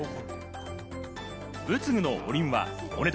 仏具の御りんはお値段